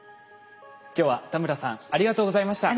今日は田村さんありがとうございました。